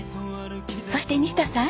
そして西田さん。